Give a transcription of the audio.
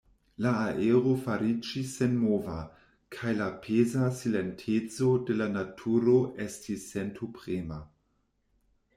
La aero fariĝis senmova, kaj la peza silenteco de la naturo estis sentoprema.